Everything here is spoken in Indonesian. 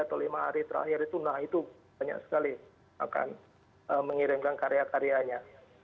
nanti mulai sepuluh hari atau lima hari terakhir itu nah itu banyak sekali akan mengirimkan karya karyanya